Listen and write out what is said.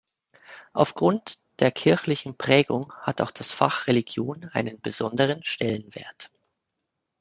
Aufgrund der kirchlichen Prägung hat auch das Fach Religion einen besonderen Stellenwert.